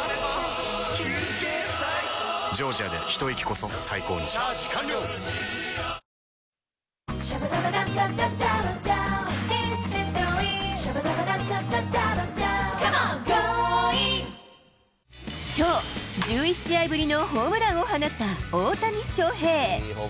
この後きょう、１１試合ぶりのホームランを放った大谷翔平。